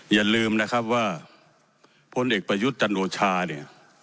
อย่าลืมนะครับว่าพลเอกประยุทธ์จันโอชาเนี่ย